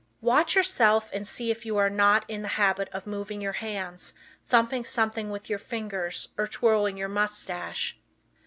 Watch yourself and see if you are not in the habit of moving your hands, thumping something with your fingers or twirling your mustache.